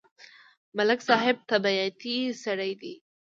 ملک صاحب طبیعتی سړی دی.